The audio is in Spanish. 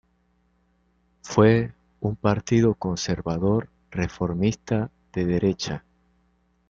Fue un partido conservador reformista de derecha.